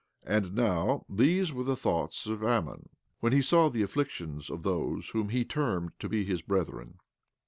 17:30 And now, these were the thoughts of Ammon, when he saw the afflictions of those whom he termed to be his brethren.